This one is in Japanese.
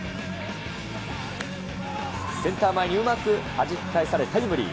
センター前にうまくはじき返され、タイムリー。